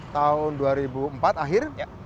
tahun dua ribu empat akhir